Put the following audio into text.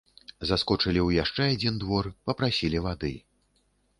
Заскочылі ў яшчэ адзін двор, папрасілі вады.